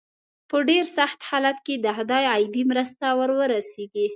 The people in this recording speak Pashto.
په ډېر سخت حالت کې د خدای غیبي مرسته ور ورسېږي.